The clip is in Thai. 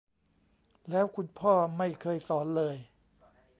แล้วคุณพ่อไม่เคยสอนเลย